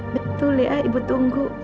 betul ya ibu tunggu